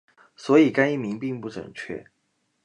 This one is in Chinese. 所以该译名并不准确。